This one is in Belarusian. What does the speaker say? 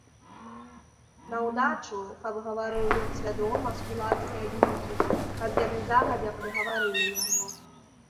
Наўдачу, каб гаварыў ён свядома з кулацкае думкі, каб яны загадзя падгаварылі яго.